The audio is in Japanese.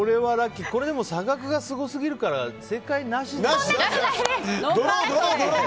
これでも差額がすごすぎるからドロー、ドロー！